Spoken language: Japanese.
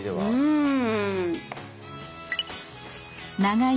うん。